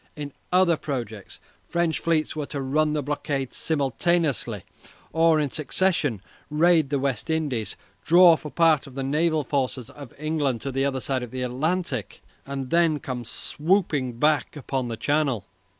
In other projects French fleets were to run the blockades simultaneously or in succession, raid the West Indies, draw off a part of the naval forces of England to the other side of the Atlantic, and then come swooping back upon the Channel.